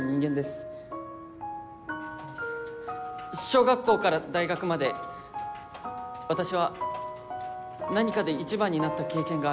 小学校から大学まで私は何かで一番になった経験がありません。